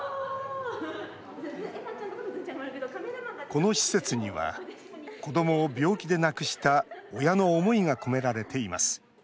この施設には子どもを病気で亡くした親の思いが込められています。